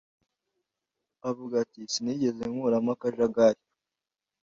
Avuga ati Sinigeze nkuramo akajagari